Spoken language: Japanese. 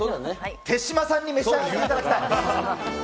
手嶋さんに召し上がっていただきたい。